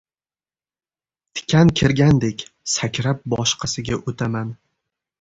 Tikan kirgandek, sakrab boshqasiga o`taman